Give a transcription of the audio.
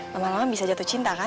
lama lama bisa jatuh cinta kan